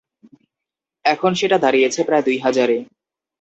এখন সেটা দাঁড়িয়েছে প্রায় দুই হাজারে।